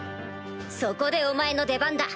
そこでお前の出番だ。